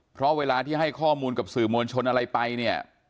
เพราะเวลาที่ให้ข้อมูลกับสื่อมวลชนอะไรไปเนี่ย